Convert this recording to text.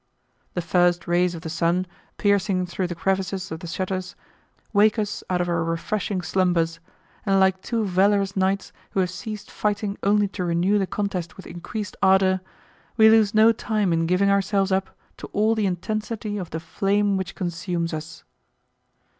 The first rays of the sun, piercing through the crevices of the shutters, wake us out of our refreshing slumbers, and like two valorous knights who have ceased fighting only to renew the contest with increased ardour, we lose no time in giving ourselves up to all the intensity of the flame which consumes us.